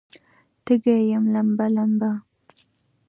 تږې یم لمبه، لمبه